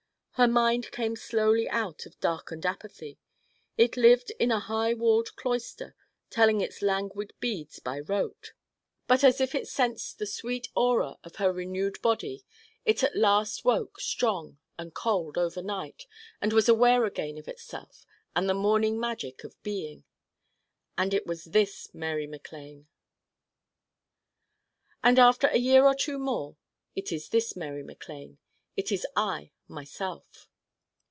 Her mind came slowly out of darkened apathy. It lived in a high walled cloister telling its languid beads by rote. But as if it sensed the sweet aura of her renewed body it at last woke strong and cold overnight and was aware again of itself and the mourning magic of being. It was this Mary MacLane. And after a year or two more it is this Mary MacLane. It is I myself.